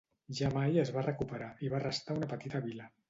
Ja mai es va recuperar i va restar una petita vila.